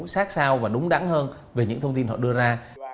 sát sao và đúng đắn hơn về những thông tin họ đưa ra